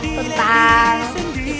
sebuah hal yang sangat penting